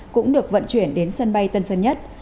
cũng được vận chuyển đến sân bay tân sơn nhất